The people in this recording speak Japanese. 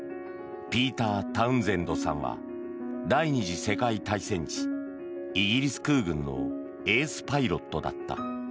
ピーター・タウンゼンドさんは第２次世界大戦時イギリス空軍のエースパイロットだった。